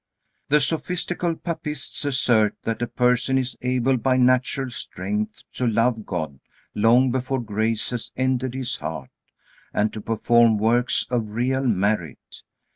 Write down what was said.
The sophistical papists assert that a person is able by natural strength to love God long before grace has entered his heart, and to perform works of real merit.